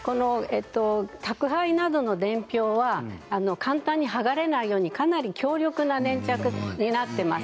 宅配などの伝票は簡単に剥がれないようにかなり強力な粘着になっています。